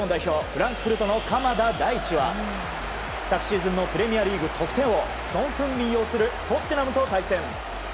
フランクフルトの鎌田大地は昨シーズンのプレミアリーグソン・フンミン擁するトッテナムと対戦。